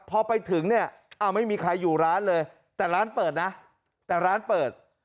พอไปถึงเนี่ยไม่มีใครอยู่ร้านเลยแต่ร้านเปิดนะแต่ร้านเปิด